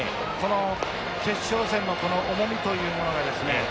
この決勝戦のこの重みというものがですね